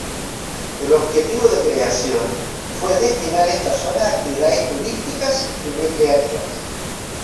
El objetivo de creación fue destinar esta zona a actividades turísticas y recreativas.